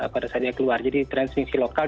pada saat dia keluar jadi transmisi lokal